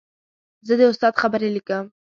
زه د استاد خبرې لیکم.